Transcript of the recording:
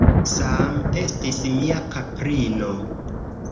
Sam estis mia kaprino.